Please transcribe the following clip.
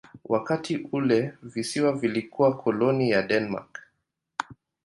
Wakati ule visiwa vilikuwa koloni ya Denmark.